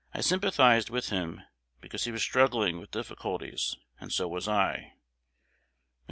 I sympathized with him because he was struggling with difficulties; and so was I. Mr.